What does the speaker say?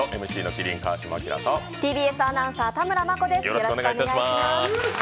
麒麟・川島明とＴＢＳアナウンサー、田村真子です。